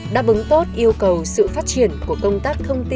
đáp ứng tốt yêu cầu sự phát triển của công tác thông tin